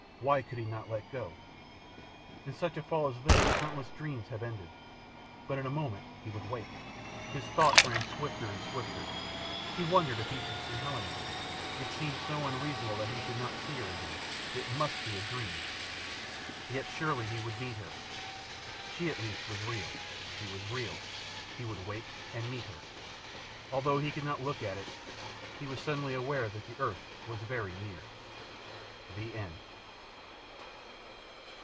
Why could he not let go? In such a fall as this countless dreams have ended. But in a moment he would wake.... His thoughts ran swifter and swifter. He wondered if he should see Helen again. It seemed so unreasonable that he should not see her again. It must be a dream! Yet surely he would meet her. She at least was real. She was real. He would wake and meet her. Although he could not look at it, he was suddenly aware that the earth was very near. THE END.